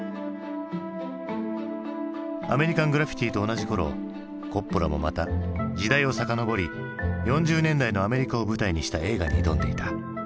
「アメリカン・グラフィティ」と同じころコッポラもまた時代を遡り４０年代のアメリカを舞台にした映画に挑んでいた。